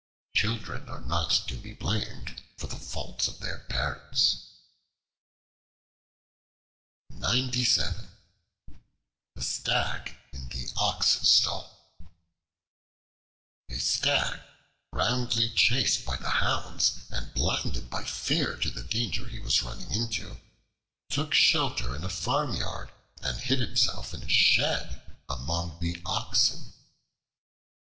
Children are not to be blamed for the faults of their parents. The Stag in the Ox Stall A STAG, roundly chased by the hounds and blinded by fear to the danger he was running into, took shelter in a farmyard and hid himself in a shed among the oxen.